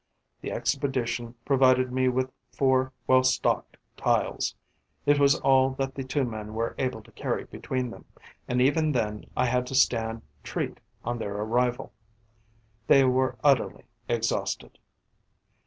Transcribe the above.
The expedition provided me with four well stocked tiles. It was all that the two men were able to carry between them; and even then I had to stand treat on their arrival: they were utterly exhausted.